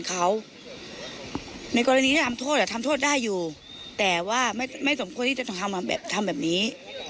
คือเด็กคนนี้เขาก็มาซื้อของกับพี่